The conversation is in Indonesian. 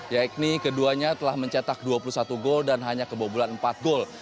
yakni keduanya telah mencetak dua puluh satu gol dan hanya kebobolan empat gol